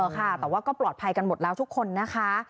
ค่ะแต่ว่าก็ปลอดภัยกันหมดแล้วทุกคนนะคะ